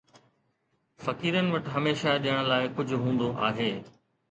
فقيرن وٽ هميشه ڏيڻ لاءِ ڪجهه هوندو آهي.